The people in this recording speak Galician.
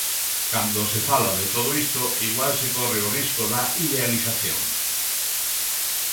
Cando se fala de todo isto igual se corre o risco da idealización.